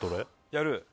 やる？